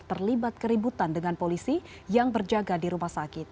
terlibat keributan dengan polisi yang berjaga di rumah sakit